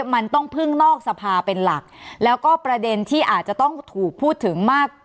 มันต้องพึ่งนอกสภาเป็นหลักแล้วก็ประเด็นที่อาจจะต้องถูกพูดถึงมาก